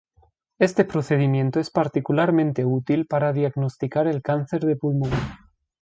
Este procedimiento es particularmente útil para diagnosticar el cáncer de pulmón.